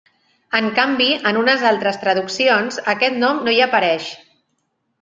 En canvi, en unes altres traduccions aquest nom no hi apareix.